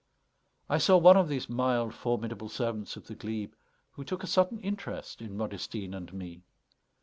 I saw one of these mild formidable servants of the glebe, who took a sudden interest in Modestine and me.